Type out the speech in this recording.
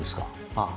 ああ。